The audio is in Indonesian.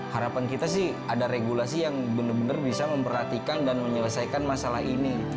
harapan kita sih ada regulasi yang benar benar bisa memperhatikan dan menyelesaikan masalah ini